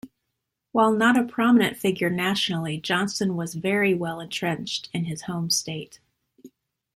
While not a prominent figure nationally, Johnston was very well-entrenched in his home state.